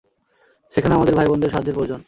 সেখানে আমাদের ভাই বোনদের সাহায্যের প্রয়োজন।